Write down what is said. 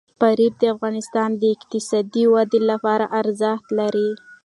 فاریاب د افغانستان د اقتصادي ودې لپاره ارزښت لري.